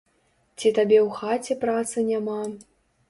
Ці табе ў хаце працы няма?